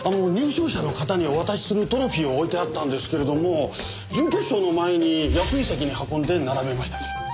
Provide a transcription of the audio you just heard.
入賞者の方にお渡しするトロフィーを置いてあったんですけれども準決勝の前に役員席に運んで並べましたから。